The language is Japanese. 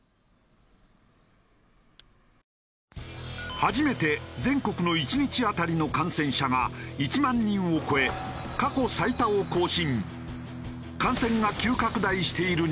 初めて全国の１日当たりの感染者が１万人を超え過去最多を更新。